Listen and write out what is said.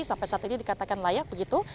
sampai saat ini dikatakan layak begitu